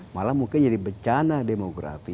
malah mungkin jadi bencana demografi